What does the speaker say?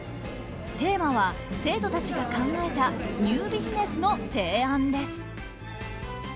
テーマは、生徒たちが考えたニュービジネスの提案です。